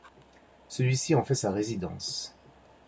Celui-ci en fait sa résidence.